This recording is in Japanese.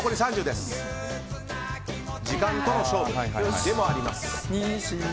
時間との勝負でもあります。